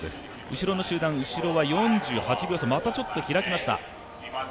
後ろの集団、４８秒差またちょっと開きました。